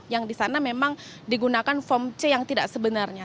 yang di sana memang digunakan form c yang tidak sebenarnya